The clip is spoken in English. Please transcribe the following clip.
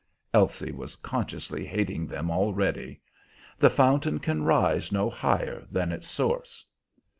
(Elsie was consciously hating them already.) "The fountain can rise no higher than its source."